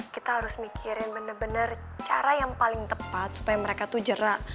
kita harus mikirin bener bener cara yang paling tepat supaya mereka tuh jerak